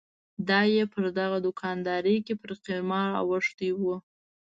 دای پر دغه دوکاندارۍ کې پر قمار اوښتی و.